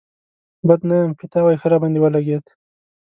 بد نه يم، پيتاوی ښه راباندې ولګېد.